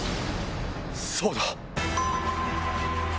そうだ！